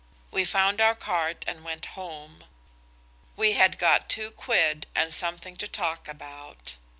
We found our cart and went home. We had got two quid and something to talk about.